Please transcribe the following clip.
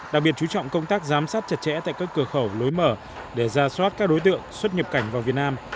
đặc biệt chú trọng công tác giám sát chặt chẽ tại các cửa khẩu lối mở để ra soát các đối tượng xuất nhập cảnh vào việt nam